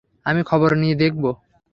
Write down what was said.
আমি খবর নিয়ে দেখবো।